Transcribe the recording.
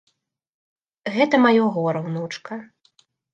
Гэта маё гора, унучка.